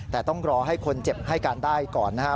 แต่ต้องรอให้คนเจ็บให้การได้ก่อนนะครับ